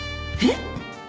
えっ！？